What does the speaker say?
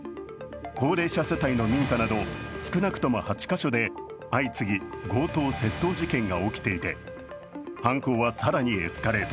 高齢者世帯の民家など少なくとも８か所で、相次ぎ、強盗・窃盗事件が起きていて犯行は更にエスカレート。